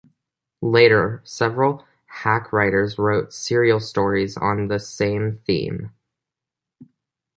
Later, several hack writers wrote serial stories on the same theme.